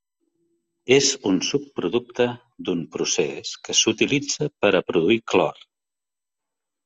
És un subproducte d'un procés que s'utilitza per a produir clor.